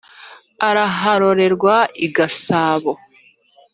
araharorerwa i gasabo.